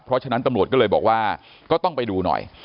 เพราะฉะนั้นตำรวจก็เลยบอกว่าก็ต้องไปดูหน่อย